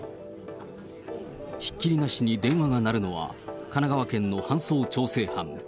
ひっきりなしに電話が鳴るのは、神奈川県の搬送調整班。